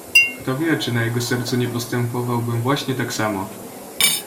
"Kto wie, czy na jego miejscu nie postępowałbym właśnie tak samo."